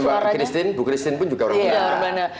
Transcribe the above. bapak christine ibu christine pun juga orang belanda